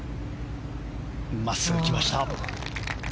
真っすぐきました。